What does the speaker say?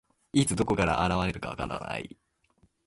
いつ、どこから現れるか分からない。